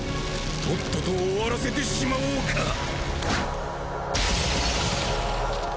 とっとと終わらせてしまおうか。